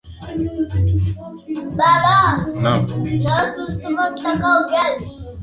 qua hili linajinadi na kichwa cha habari